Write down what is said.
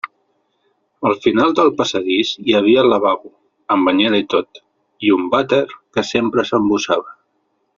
Al final del passadís hi havia el lavabo, amb banyera i tot, i un vàter que sempre s'embossava.